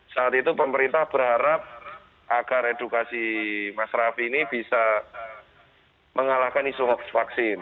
saat itu pemerintah berharap agar edukasi mas rafi ini bisa mengalahkan isu hoax vaksin